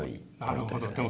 なるほど。